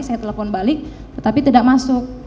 saya telepon balik tetapi tidak masuk